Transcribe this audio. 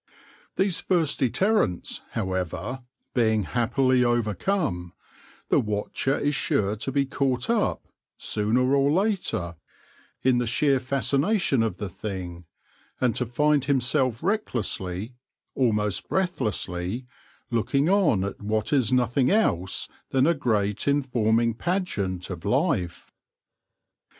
These first deterrents, however, being happily over come, the watcher is sure to be caught up, sooner or later, in the sheer fascination of the thing, and to find himself recklessly, almost breathlessly, looking on at what is nothing eke than a great informing pageant of life.